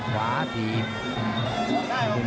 ขวาทีม